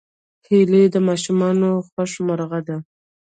هیلۍ د ماشومانو خوښ مرغه ده